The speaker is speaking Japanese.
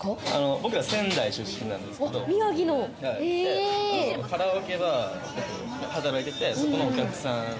僕ら仙台出身なんですけど、カラオケバーで働いてて、そこのお客さん。